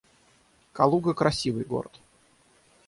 Калуга — красивый город